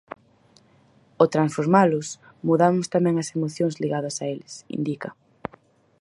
Ao transformalos, mudamos tamén as emocións ligadas a eles, indica.